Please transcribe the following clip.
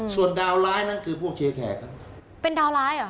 ส่วนดาวน์ร้ายนั้นคือพวกเชียร์แขกครับ